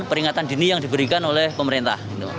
peringatan dini yang diberikan oleh pemerintah